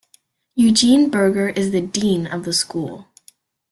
Eugene Burger is the Dean of the School.